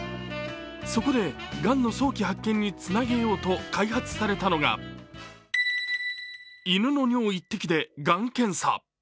そこでがんの早期発見につなげようと開発されたのが、犬の尿一滴でがん検査。